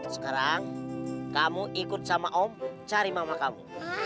sekarang kamu ikut sama om cari mama kamu